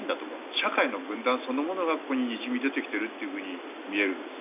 社会の分断そのものがここににじみ出てきているというふうに見えるんですよ。